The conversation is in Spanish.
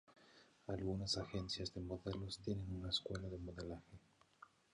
Algunas agencias de modelos tienen una escuela de modelaje.